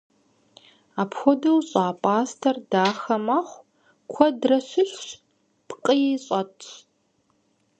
Апхуэдэу щӏа пӏастэр дахэ мэхъу, куэдрэ щылъщ, пкъыи щӏэтщ.